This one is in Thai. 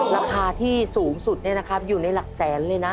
ราคาที่สูงสุดอยู่ในหลักแสนเลยนะ